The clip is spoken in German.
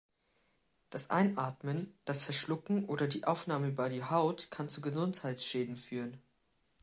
Das Einatmen, das Verschlucken oder die Aufnahme über die Haut kann zu Gesundheitsschäden führen.